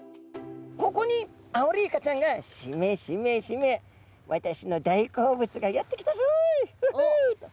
ここにアオリイカちゃんが「しめしめしめ私の大好物がやって来たぞい！フフ！」と。